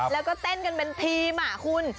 แล้วก็เต้นกันเป็นทีมคุณ